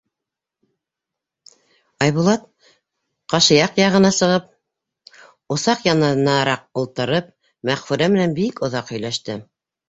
Айбулат, ҡашаяҡ яҡҡа сығып, усаҡ янынараҡ ултырып, Мәғфүрә менән бик оҙаҡ һөйләште.